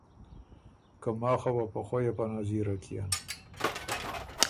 که ماخه وه په خؤیه په نطیره کيېن۔